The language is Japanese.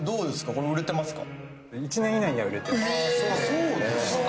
これ売れてますか？